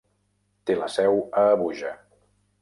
Té la seu a Abuja.